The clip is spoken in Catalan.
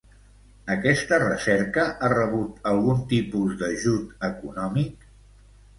Aquesta recerca ha rebut algun tipus d'ajut econòmic?